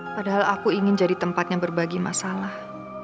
padahal aku ingin jadi tempat yang berbagi masalah